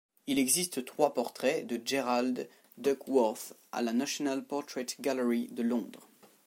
Il existe trois portraits de Gerald Duckworth à la National Portrait Gallery de Londres.